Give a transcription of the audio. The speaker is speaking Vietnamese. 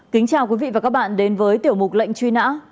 kính chào quý vị và các bạn đến với tiểu mục lệnh truy nã